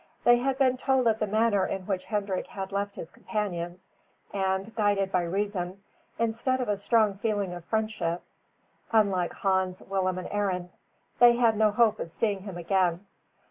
They had been told of the manner in which Hendrik had left his companions; and, guided by reason, instead of a strong feeling of friendship, unlike Hans, Willem, and Arend, they had no hope of seeing him again.